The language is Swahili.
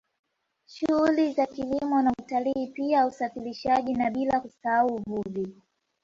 Shughuli za kilimo na utalii pia usafirishaji na bila kusahau uvuvi